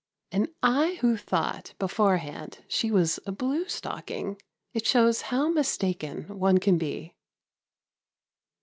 And I who thought beforehand she was a blue stocking! It shows how mistaken one can be.